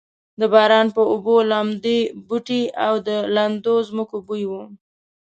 د باران په اوبو لمدې بوټې او د لوندې ځمکې بوی و.